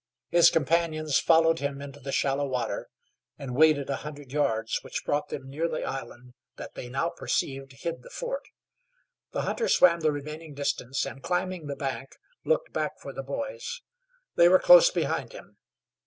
His companions followed him into the shallow water, and waded a hundred yards, which brought them near the island that they now perceived hid the fort. The hunter swam the remaining distance, and, climbing the bank, looked back for the boys. They were close behind him.